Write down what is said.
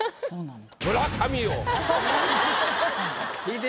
そうなんだ。